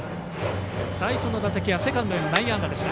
最初の打席はセカンドへの内野安打でした。